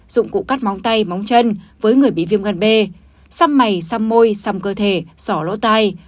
dụng cụ cắt móng tay móng chân với người bị viêm gan b xăm mày xăm môi xăm cơ thể sỏ lỗ tai